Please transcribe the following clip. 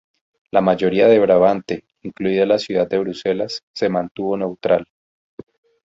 La mayoría de Brabante, incluida la ciudad de Bruselas, se mantuvo neutral.